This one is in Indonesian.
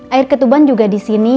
air ketuban juga disini